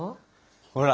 ほら！